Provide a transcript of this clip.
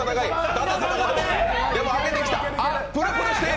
舘様が、でも上げてきた！